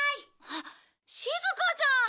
あっしずかちゃん！